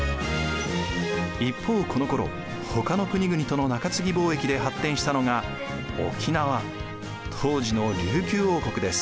一方このころほかの国々との中継貿易で発展したのが沖縄当時の琉球王国です。